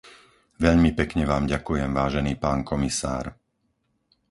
Veľmi pekne vám ďakujem, vážený pán komisár.